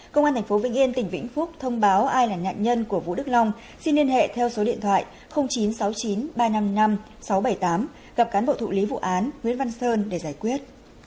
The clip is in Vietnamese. công an tp vĩnh yên tỉnh vĩnh phúc thông báo ai là nạn nhân của vũ đức long xin liên hệ theo số điện thoại chín trăm sáu mươi chín ba trăm năm mươi năm sáu trăm bảy mươi tám gặp cán bộ thụ lý vụ án nguyễn văn sơn để giải quyết